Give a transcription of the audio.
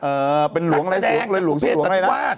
เออเป็นหลวงอะไรหลวงชีวิตหลวงอะไรนะ